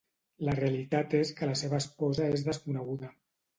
La realitat és que la seva esposa és desconeguda.